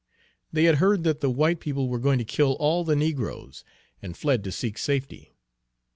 They had heard that the white people were going to kill all the negroes, and fled to seek safety.